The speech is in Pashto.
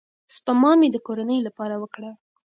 سپما مې د کورنۍ لپاره وکړه.